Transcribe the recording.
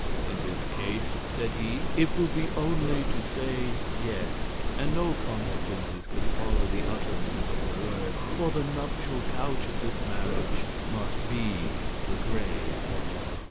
"In this case," said he, "it will be only to say 'yes,' and no consequences can follow the utterance of the word, for the nuptial couch of this marriage must be the grave."